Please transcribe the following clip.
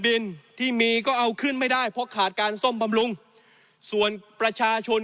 ดินที่มีก็เอาขึ้นไม่ได้เพราะขาดการซ่อมบำรุงส่วนประชาชน